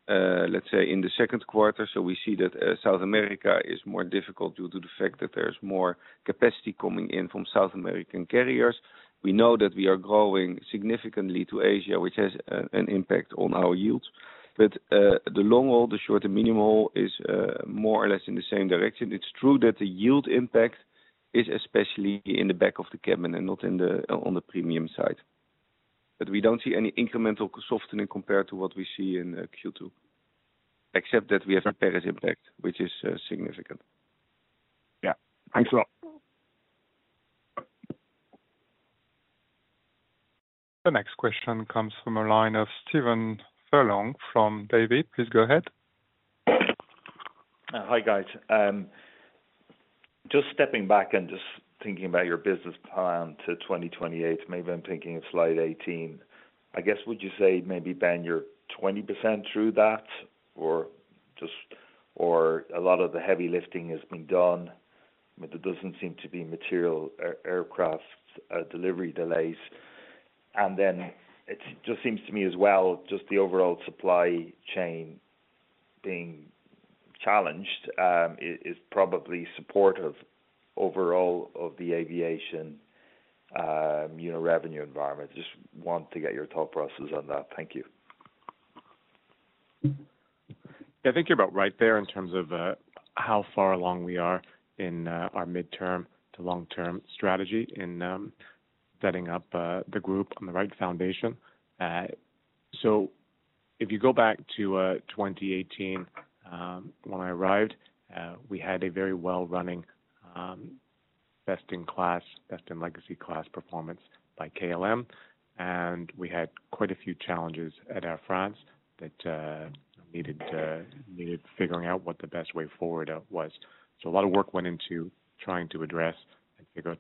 let's say, in the second quarter. We see that South America is more difficult due to the fact that there's more capacity coming in from South American carriers. We know that we are growing significantly to Asia, which has an impact on our yields. But the long-haul, the short-haul, the medium-haul is more or less in the same direction. It's true that the yield impact is especially in the back of the cabin and not on the premium side. But we don't see any incremental softening compared to what we see in Q2, except that we have the Paris impact, which is significant. Yeah. Thanks a lot. The next question comes from a line of Stephen Furlong from Davy. Please go ahead. Hi, guys. Just stepping back and just thinking about your business plan to 2028, maybe I'm thinking of slide 18. I guess, would you say maybe, Ben, you're 20% through that, or a lot of the heavy lifting has been done? But there doesn't seem to be material aircraft delivery delays. And then it just seems to me as well, just the overall supply chain being challenged is probably supportive overall of the aviation revenue environment. Just want to get your thought process on that. Thank you. Yeah. I think you're about right there in terms of how far along we are in our midterm to long-term strategy in setting up the group on the right foundation. So if you go back to 2018, when I arrived, we had a very well-running best-in-class, best-in-legacy class performance by KLM. We had quite a few challenges at Air France that needed figuring out what the best way forward was. So a lot of work went into trying to address and figure out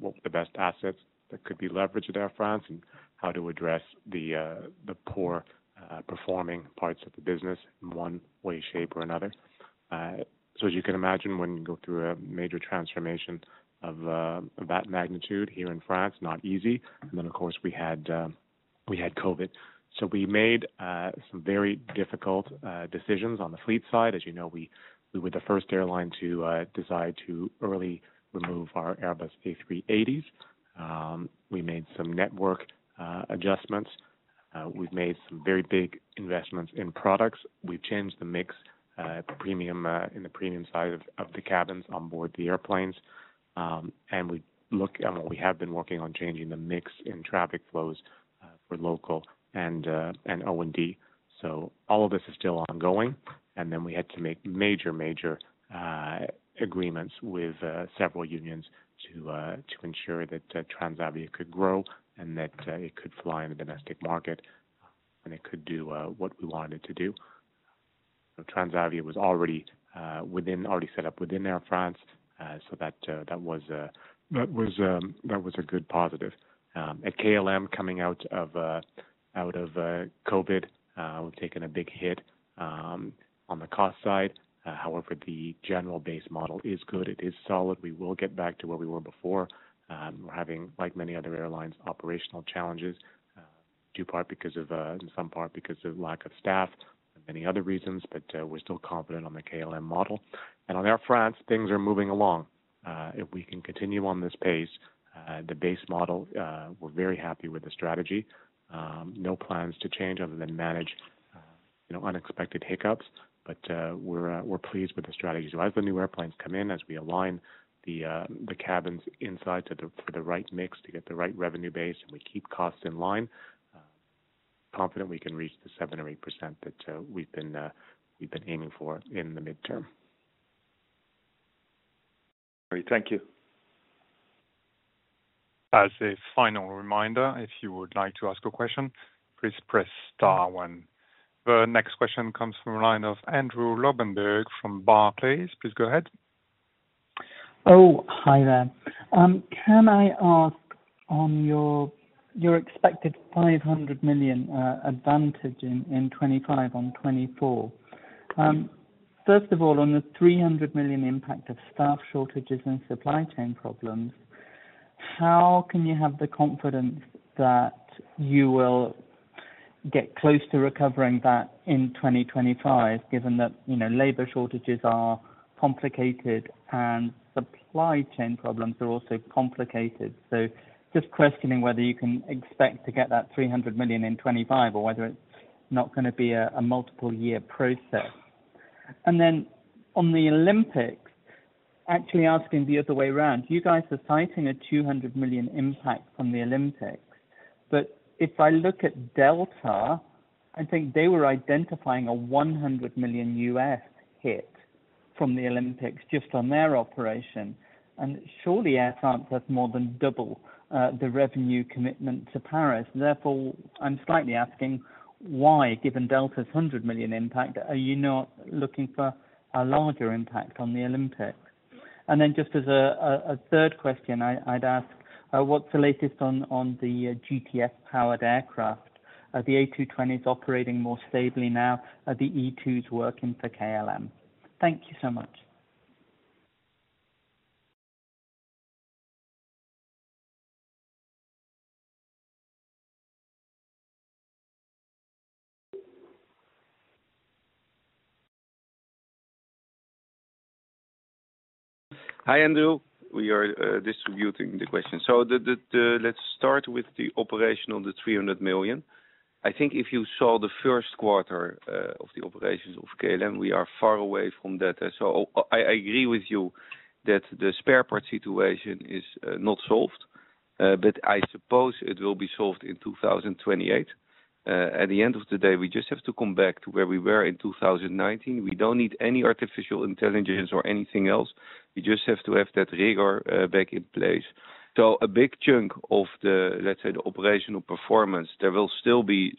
what were the best assets that could be leveraged at Air France and how to address the poor performing parts of the business in one way, shape, or another. So as you can imagine, when you go through a major transformation of that magnitude here in France, not easy. And then, of course, we had COVID. So we made some very difficult decisions on the fleet side. As you know, we were the first airline to decide to early remove our Airbus A380s. We made some network adjustments. We've made some very big investments in products. We've changed the mix in the premium side of the cabins on board the airplanes. We look at what we have been working on changing the mix in traffic flows for local and O&D. All of this is still ongoing. Then we had to make major, major agreements with several unions to ensure that Transavia could grow and that it could fly in the domestic market and it could do what we wanted it to do. Transavia was already set up within Air France, so that was a good positive. At KLM, coming out of COVID, we've taken a big hit on the cost side. However, the general-based model is good. It is solid. We will get back to where we were before. We're having, like many other airlines, operational challenges, in some part because of lack of staff and many other reasons, but we're still confident on the KLM model. On Air France, things are moving along. If we can continue on this pace, the base model, we're very happy with the strategy. No plans to change other than manage unexpected hiccups. We're pleased with the strategy. As the new airplanes come in, as we align the cabins inside for the right mix to get the right revenue base and we keep costs in line, confident we can reach the 7% or 8% that we've been aiming for in the midterm. Great. Thank you. As a final reminder, if you would like to ask a question, please press star one. The next question comes from a line of Andrew Lobbenberg from Barclays. Please go ahead. Oh, hi, there. Can I ask on your expected 500 million advantage in 2025 on 2024? First of all, on the 300 million impact of staff shortages and supply chain problems, how can you have the confidence that you will get close to recovering that in 2025, given that labor shortages are complicated and supply chain problems are also complicated? So just questioning whether you can expect to get that 300 million in 2025 or whether it's not going to be a multiple-year process. And then on the Olympics, actually asking the other way around, you guys are citing a 200 million impact from the Olympics. But if I look at Delta, I think they were identifying a $100 million hit from the Olympics just on their operation. Surely Air France has more than double the revenue commitment to Paris. Therefore, I'm slightly asking why, given Delta's 100 million impact, are you not looking for a larger impact on the Olympics? And then just as a third question, I'd ask, what's the latest on the GTF-powered aircraft? Are the A220s operating more stably now? Are the E2s working for KLM? Thank you so much. Hi, Andrew. We are distributing the questions. So let's start with the operation of the 300 million. I think if you saw the first quarter of the operations of KLM, we are far away from that. So I agree with you that the spare part situation is not solved, but I suppose it will be solved in 2028. At the end of the day, we just have to come back to where we were in 2019. We don't need any artificial intelligence or anything else. We just have to have that rigor back in place. So a big chunk of the, let's say, the operational performance, there will still be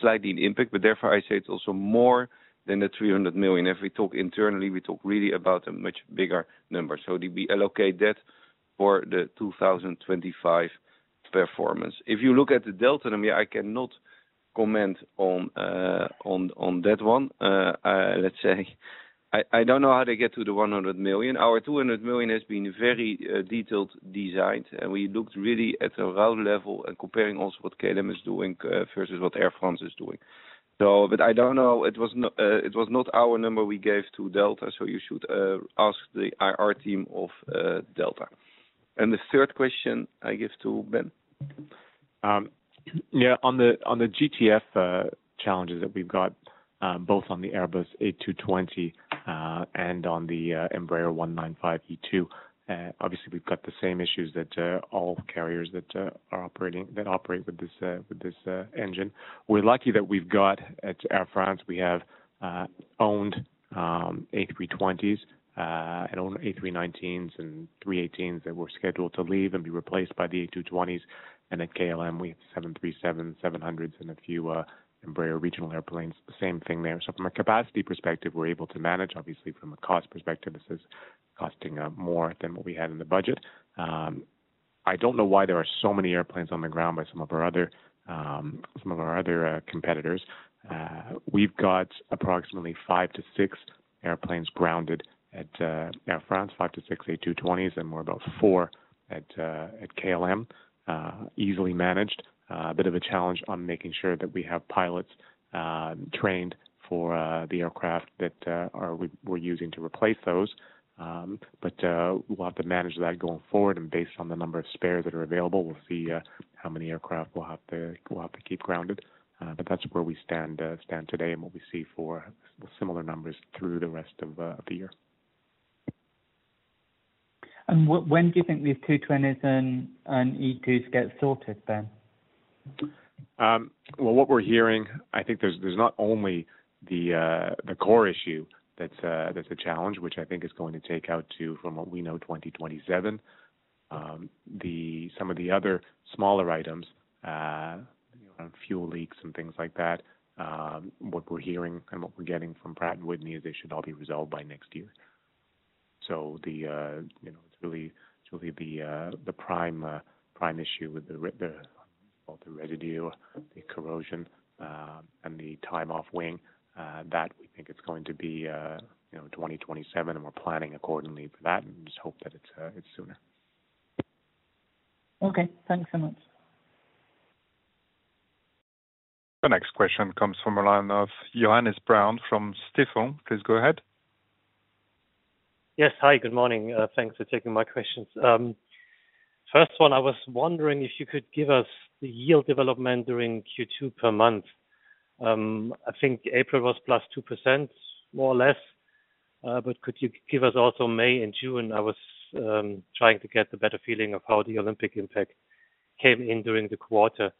slightly an impact, but therefore I say it's also more than the 300 million. If we talk internally, we talk really about a much bigger number. So we allocate that for the 2025 performance. If you look at the Delta number, I cannot comment on that one, let's say. I don't know how they get to the 100 million. Our 200 million has been very detailed designed, and we looked really at the route level and comparing also what KLM is doing versus what Air France is doing. But I don't know. It was not our number we gave to Delta, so you should ask the IR team of Delta. And the third question I give to Ben. Yeah. On the GTF challenges that we've got, both on the Airbus A220 and on the Embraer 195-E2, obviously, we've got the same issues that all carriers that operate with this engine. We're lucky that we've got at Air France, we have owned A320s and owned A319s and 318s that were scheduled to leave and be replaced by the A220s. And at KLM, we have 737s, 700s, and a few Embraer regional airplanes. Same thing there. So from a capacity perspective, we're able to manage. Obviously, from a cost perspective, this is costing more than what we had in the budget. I don't know why there are so many airplanes on the ground by some of our other competitors. We've got approximately five to six airplanes grounded at Air France, five to six A220s, and we're about four at KLM, easily managed. A bit of a challenge on making sure that we have pilots trained for the aircraft that we're using to replace those. We'll have to manage that going forward. Based on the number of spares that are available, we'll see how many aircraft we'll have to keep grounded. That's where we stand today and what we see for similar numbers through the rest of the year. When do you think these 220s and E2s get sorted, Ben? Well, what we're hearing, I think there's not only the core issue that's a challenge, which I think is going to take up to, from what we know, 2027. Some of the other smaller items, fuel leaks and things like that, what we're hearing and what we're getting from Pratt & Whitney is they should all be resolved by next year. So it's really the prime issue with the residue, the corrosion, and the time off wing that we think it's going to be 2027, and we're planning accordingly for that and just hope that it's sooner. Okay. Thanks so much. The next question comes from a line of Johannes Braun from Stifel. Please go ahead. Yes. Hi, good morning. Thanks for taking my questions. First one, I was wondering if you could give us the yield development during Q2 per month. I think April was +2%, more or less. But could you give us also May and June? I was trying to get a better feeling of how the Olympic impact came in during the quarter.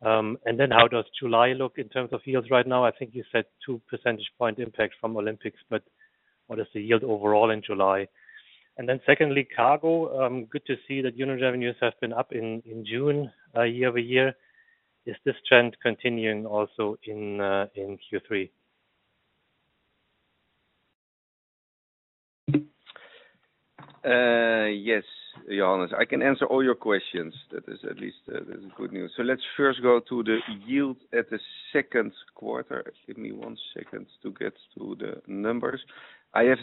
And then how does July look in terms of yields right now? I think you said 2 percentage point impact from Olympics, but what is the yield overall in July? Then secondly, cargo, good to see that unit revenues have been up in June year-over-year. Is this trend continuing also in Q3? Yes, Johannes. I can answer all your questions. That is at least good news. So let's first go to the yields in the second quarter. Give me one second to get to the numbers. I have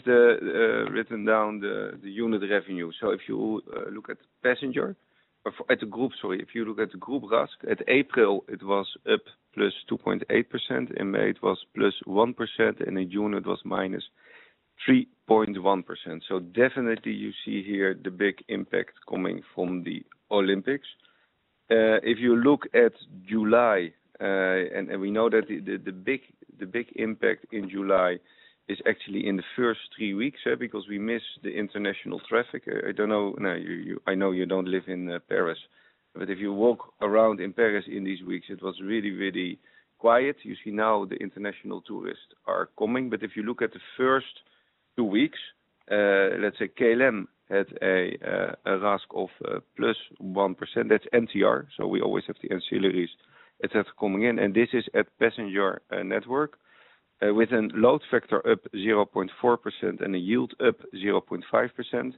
written down the unit revenue. So if you look at passenger at the group, sorry, if you look at the group RASC in April, it was up +2.8%. In May, it was +1%, and in June, it was -3.1%. So definitely, you see here the big impact coming from the Olympics. If you look at July, and we know that the big impact in July is actually in the first three weeks because we missed the international traffic. I know you don't live in Paris, but if you walk around in Paris in these weeks, it was really, really quiet. You see now the international tourists are coming. But if you look at the first two weeks, let's say KLM had a RASC of +1%. That's NTR. So we always have the ancillaries that are coming in. And this is at passenger network with a load factor up 0.4% and a yield up 0.5%.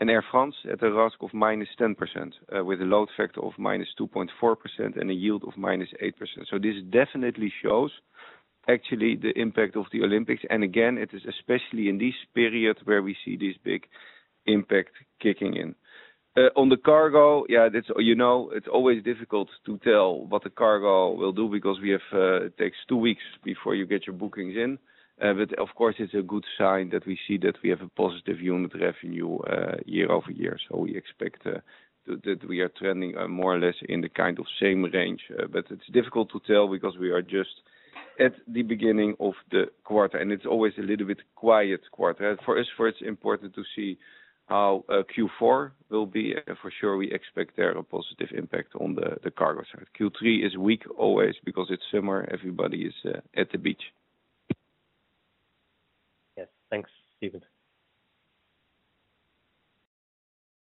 And Air France had a RASC of -10% with a load factor of -2.4% and a yield of -8%. So this definitely shows actually the impact of the Olympics. And again, it is especially in this period where we see this big impact kicking in. On the cargo, yeah, it's always difficult to tell what the cargo will do because it takes two weeks before you get your bookings in. Of course, it's a good sign that we see that we have a positive unit revenue year-over-year. We expect that we are trending more or less in the kind of same range. It's difficult to tell because we are just at the beginning of the quarter. It's always a little bit quiet quarter. For us, it's important to see how Q4 will be. For sure, we expect there a positive impact on the cargo side. Q3 is weak always because it's summer. Everybody is at the beach. Yes. Thanks, Steven.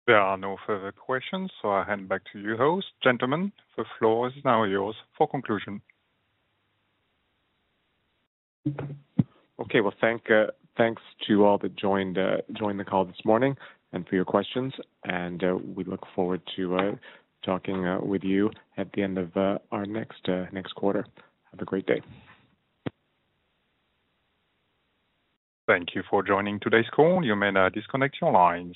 There are no further questions, so I hand back to you, host, gentlemen. The floor is now yours for conclusion. Okay. Well, thanks to all that joined the call this morning and for your questions. We look forward to talking with you at the end of our next quarter. Have a great day. Thank you for joining today's call. You may now disconnect your lines.